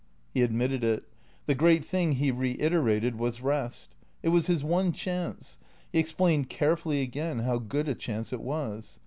He admitted it. The great thing, he reiterated, was rest. It was his one chance. He explained carefully again how good a chance it was.